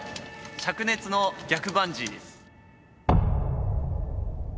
「灼熱の逆バンジー」です。